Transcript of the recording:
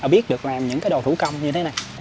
biết được làm những cái đồ thủ công như thế này